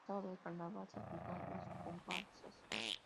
El sábado de carnaval se juntan las comparsas.